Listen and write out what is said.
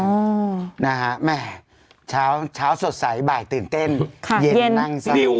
คุณโมดาวน่าจะมาเมื่อวาน